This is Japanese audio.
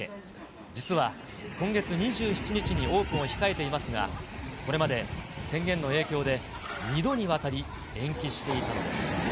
実は今月２７日にオープンを控えていますが、これまで宣言の影響で、２度にわたり延期していたのです。